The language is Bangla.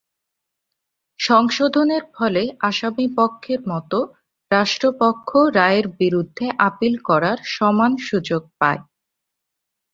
সংশোধনের ফলে আসামিপক্ষের মতো রাষ্ট্রপক্ষও রায়ের বিরুদ্ধে আপিল করার সমান সুযোগ পায়।